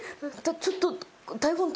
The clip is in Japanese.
ちょっと。